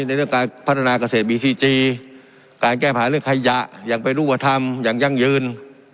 ในเรื่องการพัฒนาเกษตรบีซีจีการแก้ปัญหาเรื่องขยะอย่างเป็นรูปธรรมอย่างยั่งยืน